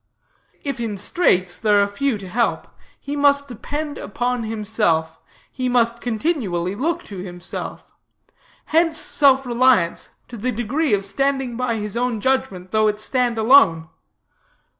If in straits, there are few to help; he must depend upon himself; he must continually look to himself. Hence self reliance, to the degree of standing by his own judgment, though it stand alone.